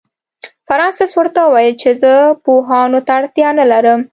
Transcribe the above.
فرانسس ورته وویل چې زه پوهانو ته اړتیا نه لرم.